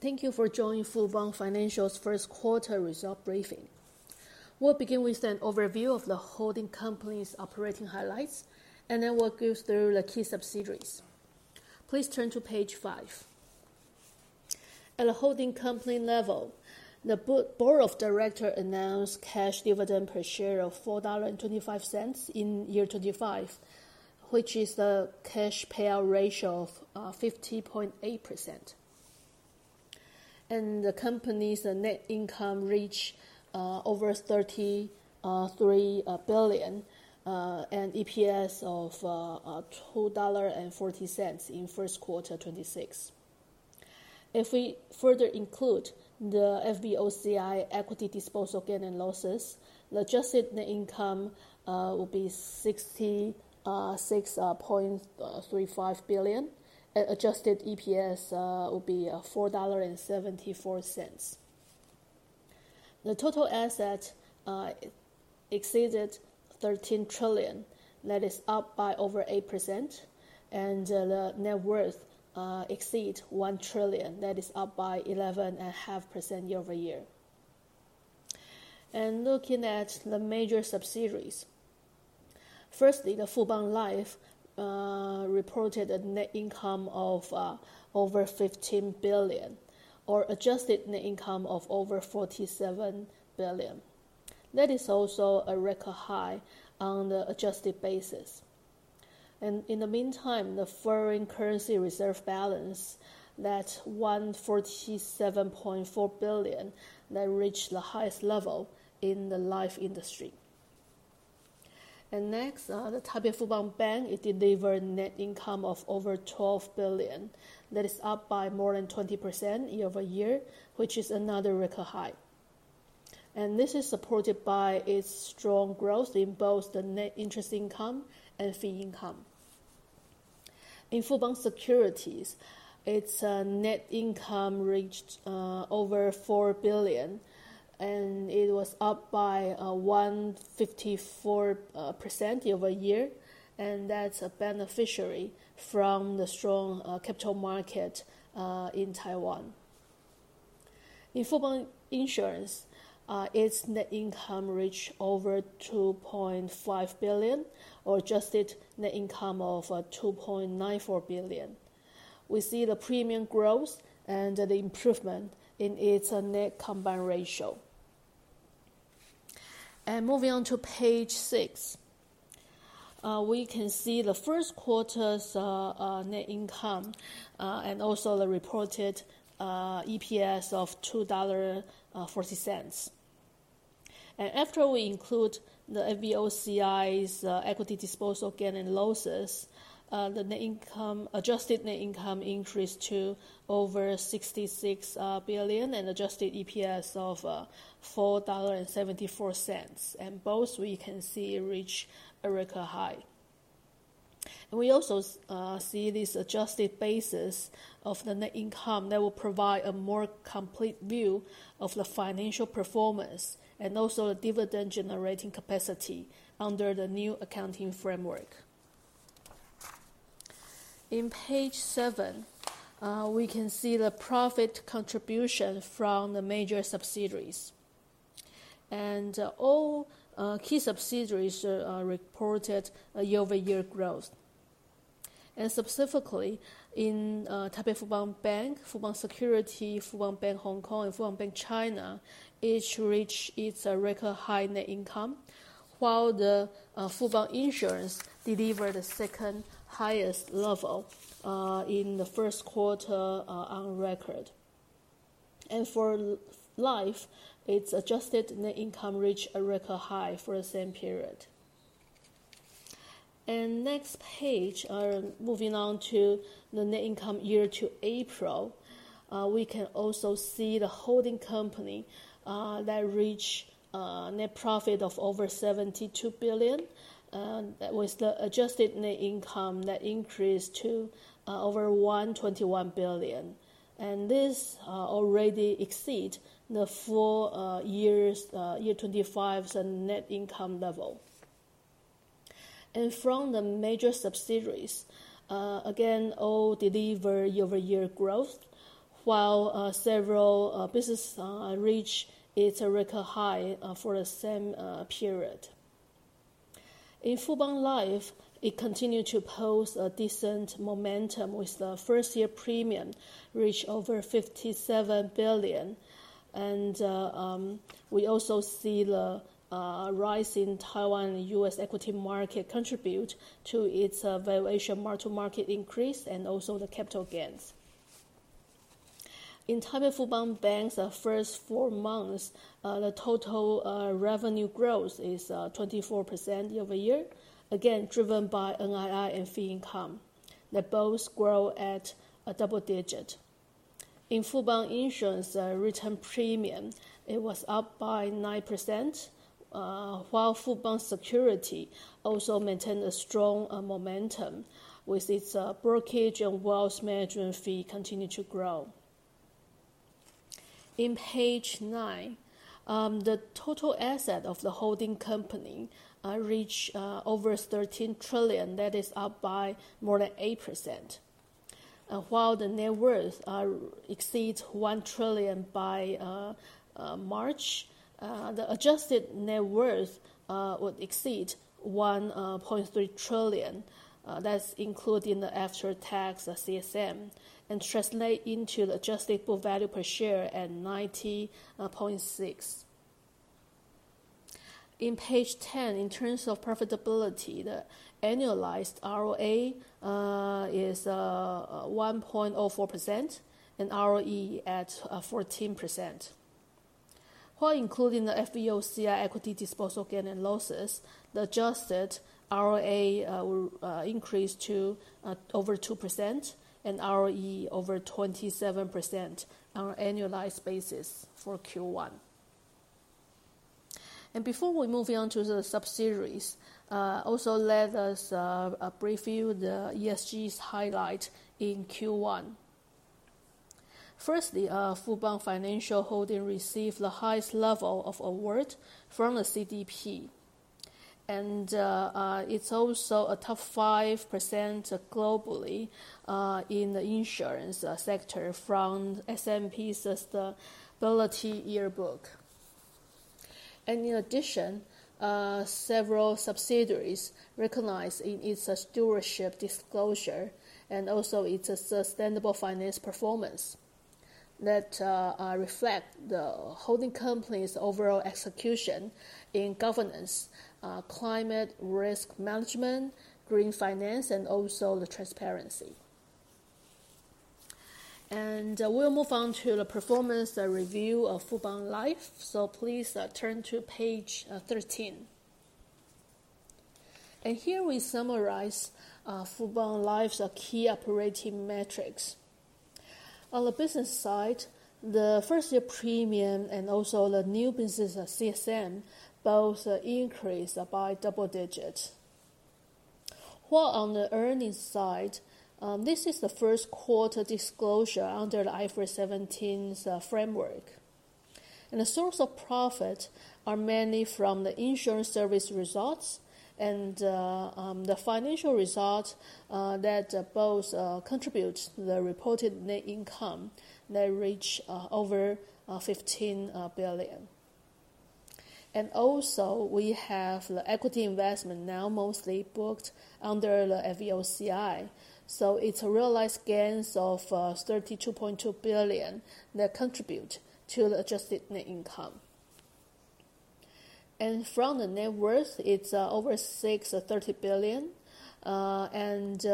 Thank you for joining Fubon Financial's first quarter results briefing. We'll begin with an overview of the holding company's operating highlights, and then we'll go through the key subsidiaries. Please turn to page five. At a holding company level, the board of directors announced cash dividend per share of 4.25 dollar in year 2025, which is a cash payout ratio of 50.8%. The company's net income reached over 33 billion and EPS of 2.40 dollar in first quarter 2026. If we further include the FVOCI equity disposal gain and losses, the adjusted net income will be 66.35 billion, and Adjusted EPS will be 4.74 dollar. The total assets exceeded 13 trillion. That is up by over 8%, and the net worth exceeds 1 trillion. That is up by 11.5% year-over-year. Looking at the major subsidiaries. Firstly, Fubon Life reported a net income of over 15 billion, or adjusted net income of over 47 billion. That is also a record high on the adjusted basis. In the meantime, the foreign currency reserve balance, that's 147.4 billion that reached the highest level in the life industry. Next, Taipei Fubon Bank, it delivered net income of over 12 billion. That is up by more than 20% year-over-year, which is another record high. This is supported by its strong growth in both the net interest income and fee income. In Fubon Securities, its net income reached over 4 billion. It was up by 154% year-over-year, and that's a beneficiary from the strong capital market in Taiwan. In Fubon Insurance, its net income reached over 2.5 billion, or adjusted net income of 2.94 billion. We see the premium growth and the improvement in its net combined ratio. Moving on to page six, we can see the first quarter's net income, also the reported EPS of 2.40 dollar. After we include the FVOCI's equity disposal gain and losses, the adjusted net income increased to over 66 billion and Adjusted EPS of 4.74 dollar, and both we can see reach a record high. We also see this adjusted basis of the net income that will provide a more complete view of the financial performance and also the dividend generating capacity under the new accounting framework. On page seven, we can see the profit contribution from the major subsidiaries. All key subsidiaries reported a year-over-year growth. Specifically in Taipei Fubon Bank, Fubon Securities, Fubon Bank Hong Kong, and Fubon Bank China, each reached its record high net income, while the Fubon Insurance delivered the second highest level in the first quarter on record. For Life, its adjusted net income reached a record high for the same period. Next page, moving on to the net income year to April, we can also see the holding company that reached net profit of over 72 billion. That was the adjusted net income that increased to over 121 billion. This already exceeds the full year 2025 net income level. From the major subsidiaries, again, all delivered year-over-year growth, while several businesses reached its record high for the same period. In Fubon Life, it continued to post a decent momentum with the first year premium reached over 57 billion, and we also see the rise in Taiwan and U.S. Equity market contribute to its valuation mark-to-market increase and also the capital gains. In Taipei Fubon Bank's first four months, the total revenue growth is 24% year-over-year, again, driven by NII and fee income. They both grow at a double digit. In Fubon Insurance return premium, it was up by 9%, while Fubon Securities also maintained a strong momentum with its brokerage and wealth management fee continue to grow. In page nine, the total asset of the holding company reached over 13 trillion. That is up by more than 8%, while the net worth exceeds 1 trillion by March. The adjusted net worth will exceed 1.3 trillion. That's including the after-tax CSM and translate into adjusted book value per share at 90.6. In page 10, in terms of profitability, the annualized ROA is 1.04% and ROE at 14%. While including the FVOCI equity disposal gain and losses, the adjusted ROA will increase to over 2% and ROE over 27% on an annualized basis for Q1. Before we move on to the subsidiaries, also let us brief you the ESG highlight in Q1. Firstly, Fubon Financial Holding received the highest level of award from the CDP, and it's also a top 5% globally in the insurance sector from S&P Global Sustainability Yearbook. In addition, several subsidiaries recognized in its stewardship disclosure and also its sustainable finance performance that reflect the holding company's overall execution in governance, climate risk management, green finance, and also the transparency. We'll move on to the performance review of Fubon Life, so please turn to page 13. Here we summarize Fubon Life's key operating metrics. On the business side, the first year premium and also the new business CSM both increased by double digits. While on the earnings side, this is the first quarter disclosure under the IFRS 17 framework. The source of profit are mainly from the insurance service results and the financial results that both contribute to the reported net income that reach over 15 billion. Also we have the equity investment now mostly booked under the FVOCI. It's realized gains of 32.2 billion that contribute to the adjusted net income. From the net worth, it's over 630 billion, and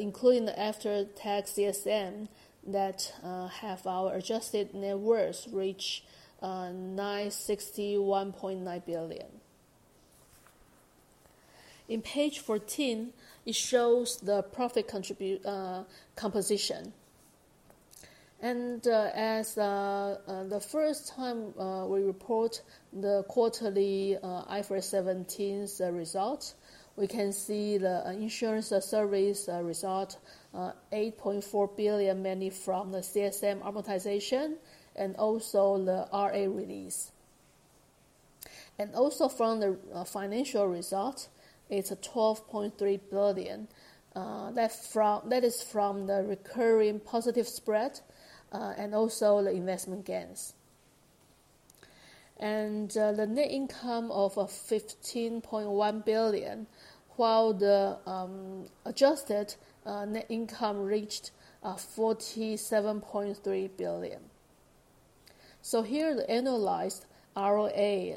including the after-tax CSM that have our adjusted net worth reach 961.9 billion. In page 14, it shows the profit composition. As the first time we report the quarterly IFRS 17 results, we can see the insurance service result, 8.4 billion, mainly from the CSM amortization and also the RA release. From the financial results, it's 12.3 billion. That is from the recurring positive spread and also the investment gains. The net income of 15.1 billion, while the adjusted net income reached 47.3 billion. Here the annualized ROA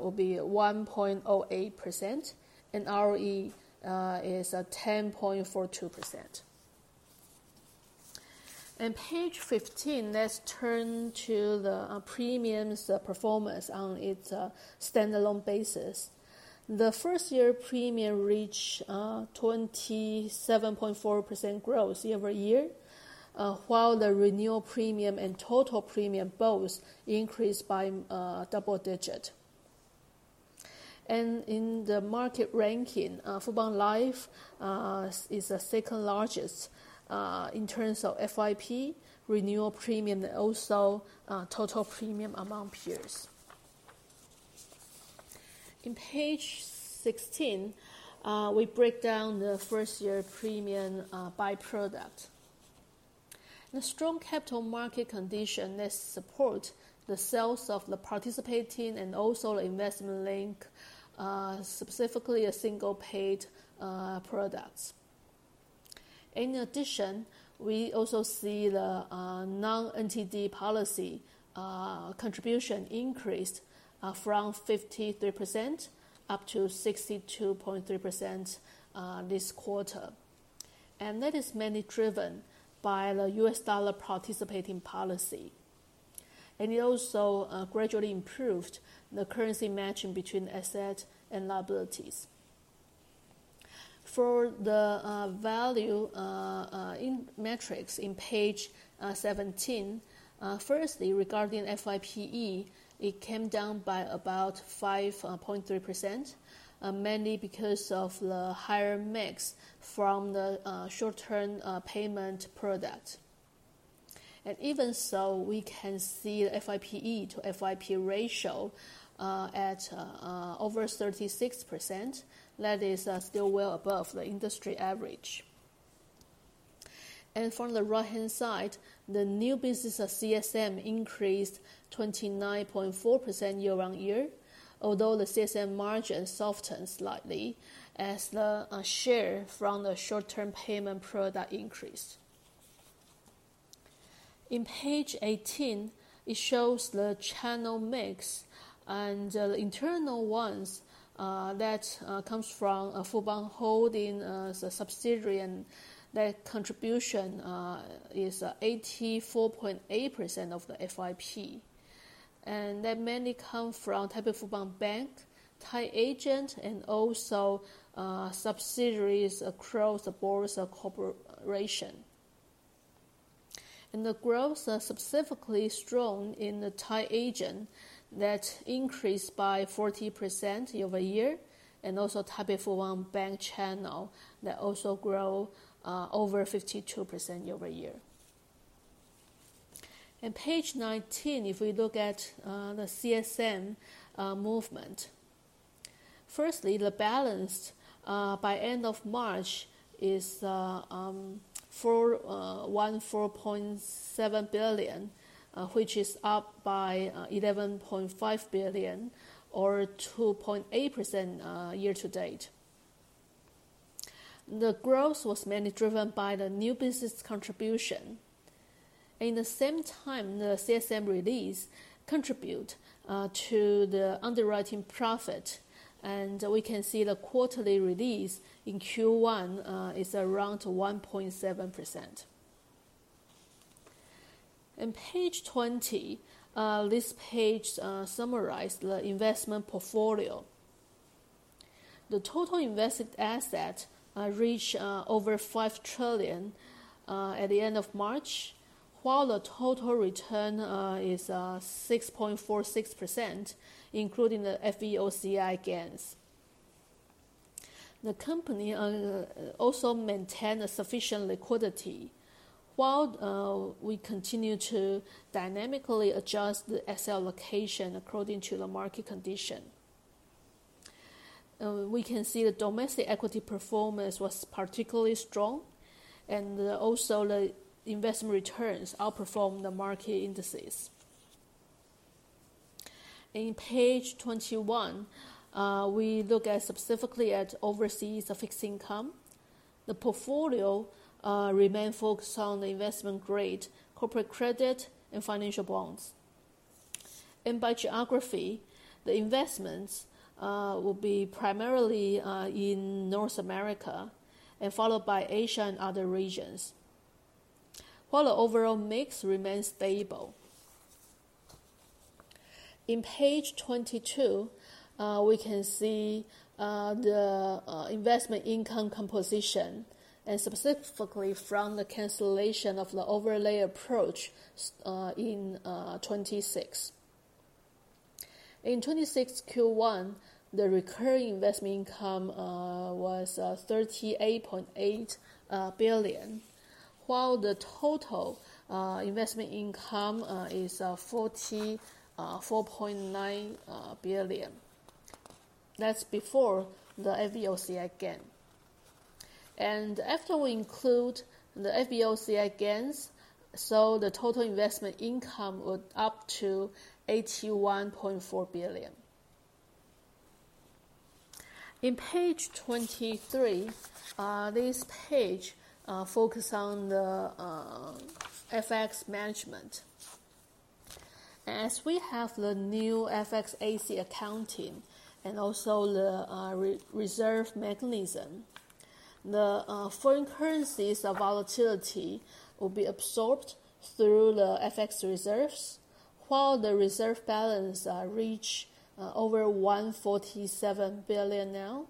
will be 1.08% and ROE is 10.42%. In page 15, let's turn to the premiums performance on its standalone basis. The first year premium reached 27.4% growth year-over-year, while the renewal premium and total premium both increased by double digit. In the market ranking, Fubon Life is the second largest in terms of FYP, renewal premium, and also total premium among peers. In page 16, we break down the first year premium by product. The strong capital market condition that support the sales of the participating and also investment-linked, specifically the single paid products. In addition, we also see the non-NTD policy contribution increased from 53% up to 62.3% this quarter, and that is mainly driven by the US dollar participating policy. We also gradually improved the currency matching between assets and liabilities. For the value in metrics in page 17, firstly, regarding FYPE, it came down by about 5.3%, mainly because of the higher mix from the short-term payment product. Even so, we can see FYPE to FYP ratio at over 36%, that is still well above the industry average. From the right-hand side, the new business of CSM increased 29.4% year-on-year, although the CSM margin softened slightly as the share from the short-term payment product increased. In page 18, it shows the channel mix and the internal ones that comes from a Fubon Holding as a subsidiary, and that contribution is 84.8% of the FYP. That mainly come from Taipei Fubon Bank, Tied Agent, and also subsidiaries across the boards of corporation. The growth is specifically strong in the Tied Agent that increased by 40% year-over-year, and also Taipei Fubon Bank channel that also grow over 52% year-over-year. In page 19, if we look at the CSM movement. Firstly, the balance by end of March is NTD 14.7 billion, which is up by NTD 11.5 billion or 2.8% year-to-date. The growth was mainly driven by the new business contribution. In the same time, the CSM release contribute to the underwriting profit, and we can see the quarterly release in Q1 is around 1.7%. In page 20, this page summarize the investment portfolio. The total invested asset reach over 5 trillion at the end of March, while the total return is 6.46%, including the FVOCI gains. The company also maintain a sufficient liquidity, while we continue to dynamically adjust the asset allocation according to the market condition. We can see the domestic equity performance was particularly strong, and also the investment returns outperform the market indices. In page 21, we look at specifically at overseas fixed income. The portfolio remain focused on the investment grade, corporate credit, and financial bonds. By geography, the investments will be primarily in North America and followed by Asia and other regions, while the overall mix remains stable. In page 22, we can see the investment income composition, and specifically from the cancellation of the overlay approach in 2026. In 2026 Q1, the recurring investment income was NTD 38.8 billion, while the total investment income is NTD 44.9 billion. That's before the FVOCI gain. After we include the FVOCI gains, the total investment income went up to NTD 81.4 billion. In page 23, this page focus on the FX management. We have the new FX AC accounting and also the reserve mechanism, the foreign currencies of our volatility will be absorbed through the FX reserves while the reserve balance reach over NTD 147 billion now.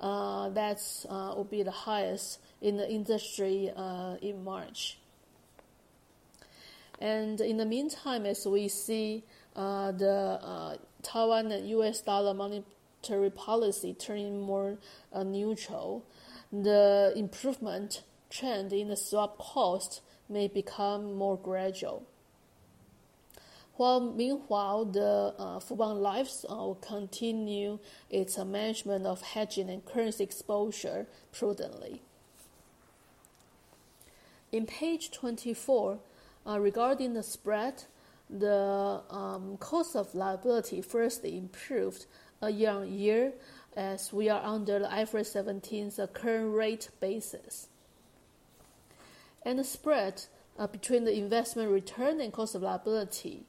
That will be the highest in the industry in March. In the meantime, we see the Taiwan and U.S. dollar monetary policy turning more neutral, the improvement trend in the swap cost may become more gradual. Meanwhile, Fubon Life will continue its management of hedging and currency exposure prudently. In page 24, regarding the spread, the cost of liability first improved year-on-year we are under the IFRS 17 current rate basis. The spread between the investment return and cost of liability,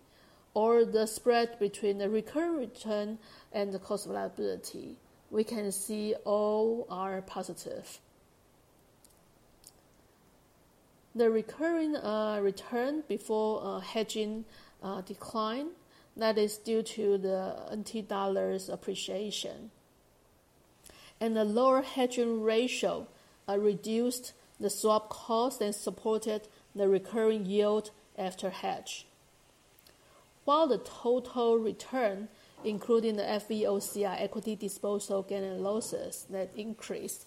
or the spread between the recurring return and the cost of liability, we can see all are positive. The recurring return before hedging decline, that is due to the NTD's appreciation. The lower hedging ratio reduced the swap cost and supported the recurring yield after hedge. While the total return, including the FVOCI equity disposal gain and losses, increased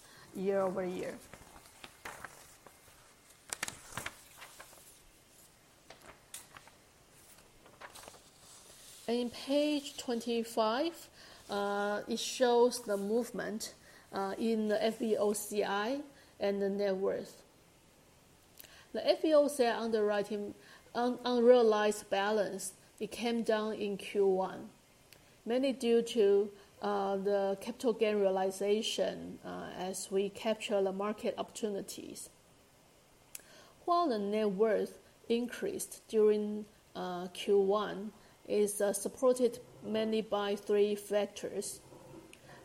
year-over-year. In page 25, it shows the movement in the FVOCI and the net worth. The FVOCI unrealized balance came down in Q1, mainly due to the capital gain realization as we capture the market opportunities. While the net worth increased during Q1 is supported mainly by three factors.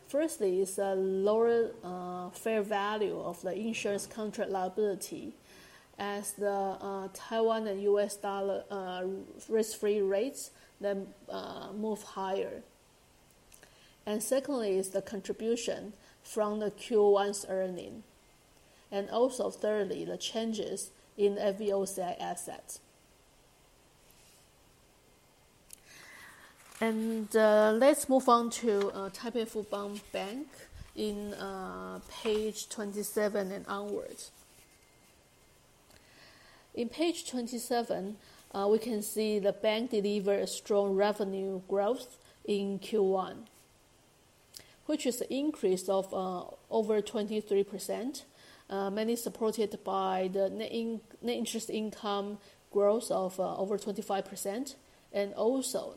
Firstly is the lower fair value of the insurance contract liability as the Taiwan and U.S. dollar risk-free rates move higher. Secondly is the contribution from the Q1's earnings. Thirdly, the changes in FVOCI assets. Let's move on to Taipei Fubon Bank on page 27 and onwards. In page 27, we can see the bank delivered strong revenue growth in Q1, which is an increase of over 23%, mainly supported by the net interest income growth of over 25% and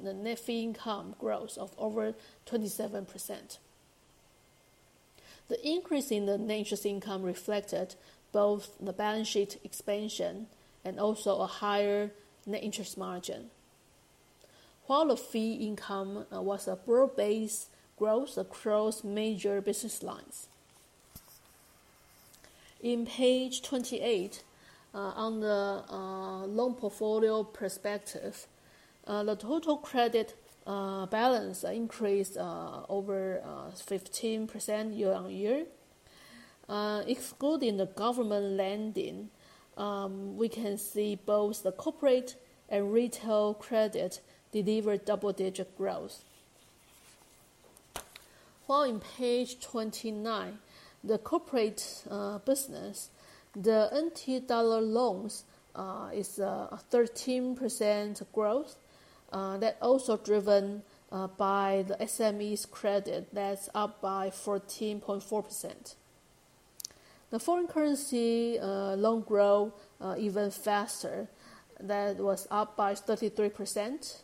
the net fee income growth of over 27%. The increase in the net interest income reflected both the balance sheet expansion and a higher net interest margin, while the fee income was a broad-based growth across major business lines. In page 28, on the loan portfolio perspective, the total credit balance increased over 15% year-on-year. Excluding the government lending, we can see both the corporate and retail credit delivered double-digit growth. On page 29, the corporate business, the NTD loans is 13% growth. They're also driven by the SMEs credit that's up by 14.4%. The foreign currency loan grow even faster. That was up by 33%,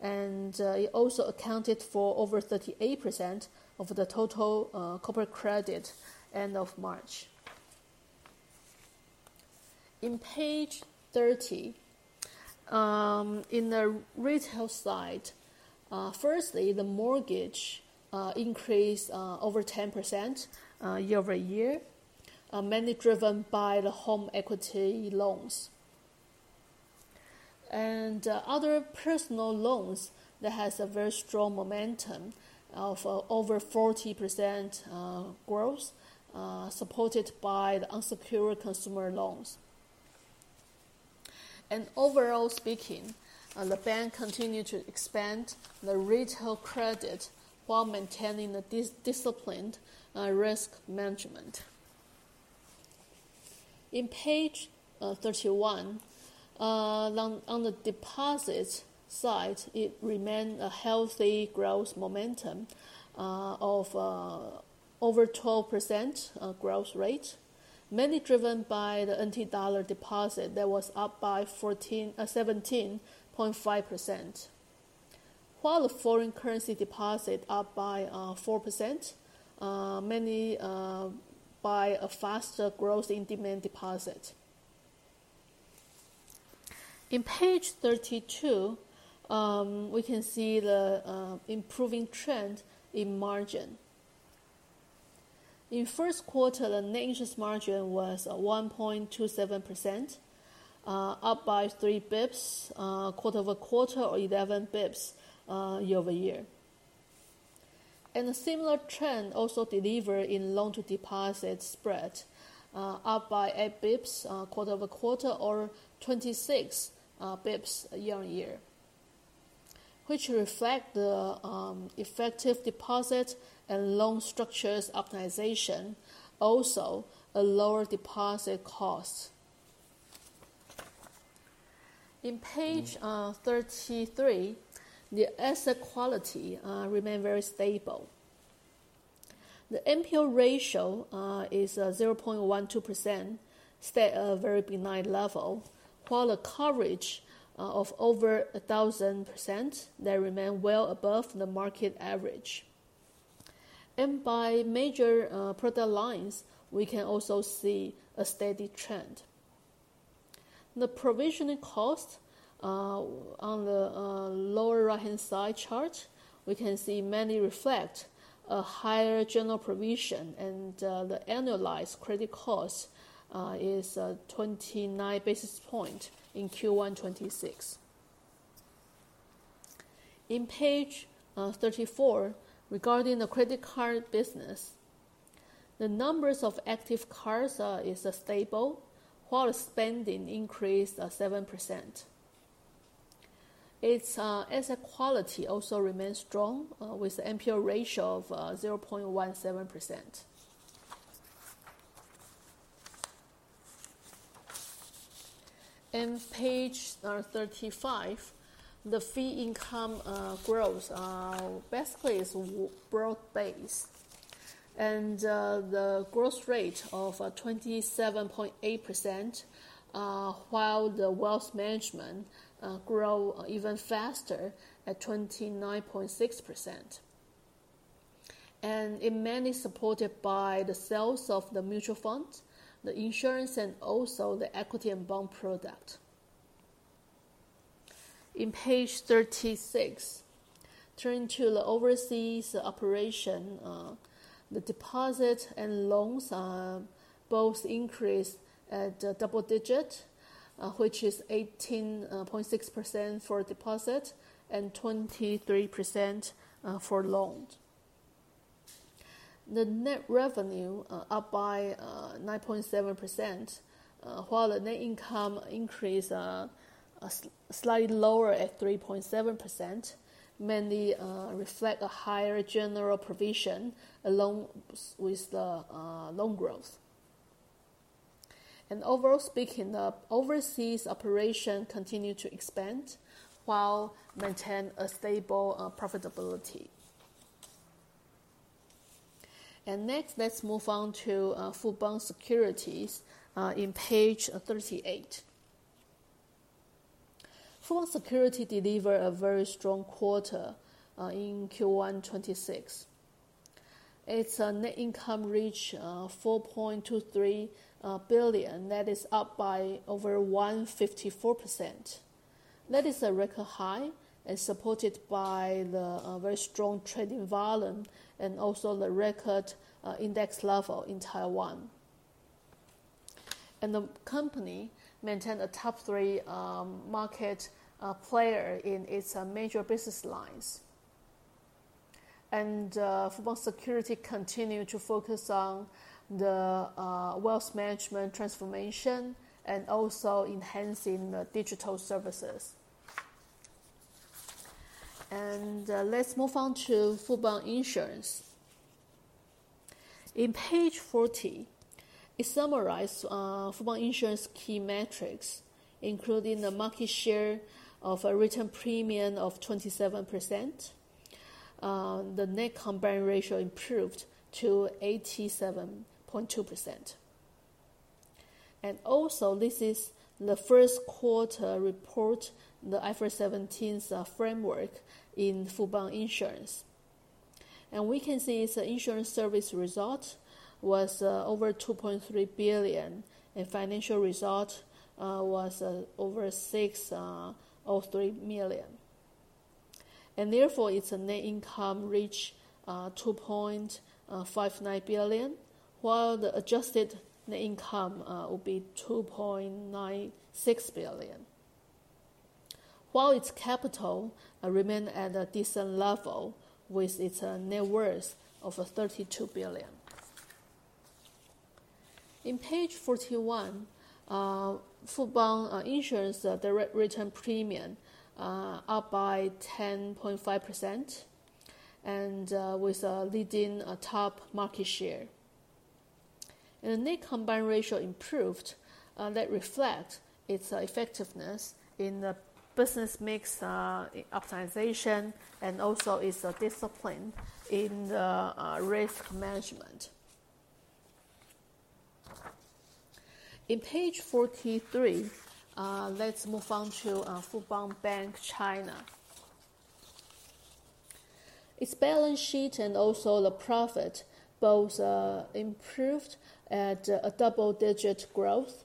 and it also accounted for over 38% of the total corporate credit end of March. In page 30, in the retail side, firstly, the mortgage increased over 10% year-over-year, mainly driven by the home equity loans. Other personal loans have a very strong momentum of over 40% growth, supported by the unsecured consumer loans. Overall speaking, the bank continued to expand the retail credit while maintaining a disciplined risk management. In page 31, on the deposit side, it remained a healthy growth momentum of over 12% growth rate, mainly driven by the NTD deposit that was up by 17.5%, while the foreign currency deposit up by 4%, mainly by a faster growth in demand deposit. In page 32, we can see the improving trend in margin. In the first quarter, the net interest margin was at 1.27%, up by 3 basis points quarter-over-quarter or 11 basis points year-over-year. A similar trend also delivered in loan-to-deposit spread up by 8 basis points quarter-over-quarter or 26 basis points year-on-year, which reflect the effective deposit and loan structures optimization, also a lower deposit cost. In page 33, the asset quality remained very stable. The NPL ratio is 0.12%, still a very benign level, while the coverage of over 1,000% remained well above the market average. By major product lines, we can also see a steady trend. The provisioning cost on the lower right-hand side chart, we can see mainly reflect a higher general provision, and the annualized credit cost is 29 basis points in Q1 2026. In page 34, regarding the credit card business. The numbers of active cards is stable, while spending increased 7%. Its asset quality also remains strong with NPL ratio of 0.17%. In page 35, the fee income growth basically is broad-based, and the growth rate of 27.8%, while the wealth management grow even faster at 29.6%. Mainly supported by the sales of the mutual funds, the insurance, and also the equity and bond product. In page 36, turning to the overseas operation, the deposit and loans both increased at double-digit, which is 18.6% for deposit and 23% for loan. The net revenue up by 9.7%, while the net income increase is slightly lower at 3.7%, mainly reflect the higher general provision along with the loan growth. Overall speaking, the overseas operation continue to expand while maintain a stable profitability. Next, let's move on to Fubon Securities in page 38. Fubon Securities delivered a very strong quarter in Q1 2026. Its net income reached 4.23 billion. That is up by over 154%. That is a record high and supported by the very strong trading volume and also the record index level in Taiwan. The company maintained a top three market player in its major business lines. Fubon Securities continue to focus on the wealth management transformation and also enhancing the digital services. Let's move on to Fubon Insurance. In page 40, it summarized Fubon Insurance key metrics, including the market share of a written premium of 27%. The net combined ratio improved to 87.2%. Also this is the first quarter report, the IFRS 17 framework in Fubon Insurance. We can see the insurance service result was over 2.3 billion, and financial result was over 603 million. Therefore, its net income reached 2.59 billion, while the adjusted net income will be 2.96 billion. While its capital remained at a decent level with its net worth of 32 billion. In page 41, Fubon Insurance direct written premium up by 10.5% and with leading top market share. The net combined ratio improved, and that reflect its effectiveness in the business mix optimization and also its discipline in the risk management. In page 43, let's move on to Fubon Bank China. Its balance sheet and also the profit both improved at a double-digit growth.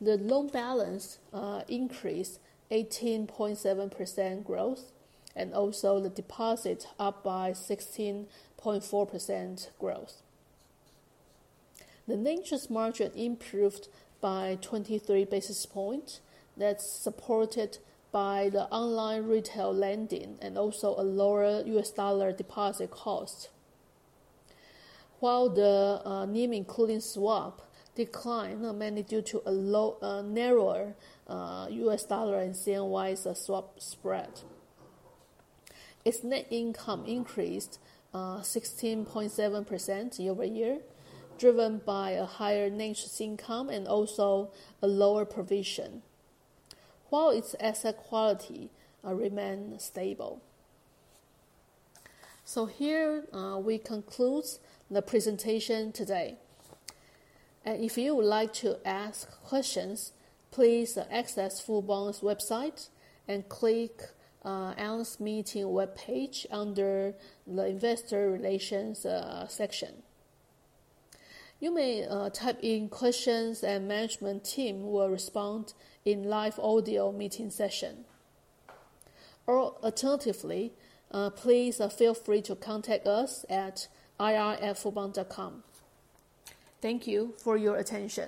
The loan balance increased 18.7% growth, and also the deposit up by 16.4% growth. The net interest margin improved by 23 basis points. That's supported by the online retail lending and also a lower U.S. dollar deposit cost. While the NIM including swap declined mainly due to a narrower U.S. dollar and CNY swap spread. Its net income increased 16.7% year-over-year, driven by a higher net interest income and also a lower provision, while its asset quality remained stable. Here, we conclude the presentation today. If you would like to ask questions, please access Fubon's website and click analyst meeting webpage under the investor relations section. You may type in questions. Management team will respond in live audio meeting session. Alternatively, please feel free to contact us at ir@fubon.com. Thank you for your attention.